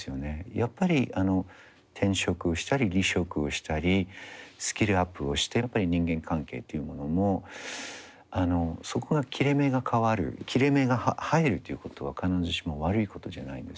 やっぱり転職したり離職をしたりスキルアップをしてやっぱり人間関係っていうものもあのそこが切れ目が変わる切れ目が入るっていうことは必ずしも悪いことじゃないんですね。